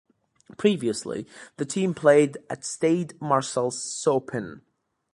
Previously, the team played at Stade Marcel Saupin.